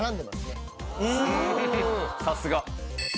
さすが。